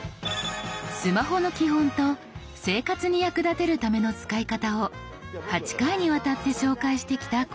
スマホの基本と生活に役立てるための使い方を８回にわたって紹介してきたこのシリーズ。